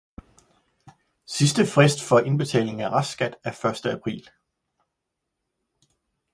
Sidste frist for indbetaling af restskat er første april.